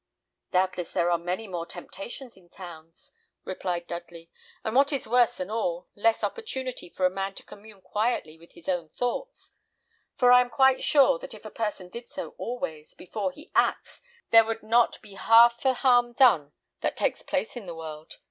"Doubtless there are many more temptations in towns," replied Dudley; "and what is worse than all, less opportunity for a man to commune quietly with his own thoughts; for I am quite sure, that if a person did so always, before he acts, there would not be half the harm done that takes place in the world.